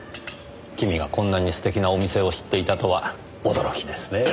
君がこんなに素敵なお店を知っていたとは驚きですねぇ。